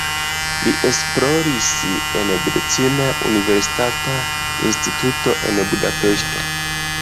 Li esploris en medicina universitata instituto en Budapeŝto.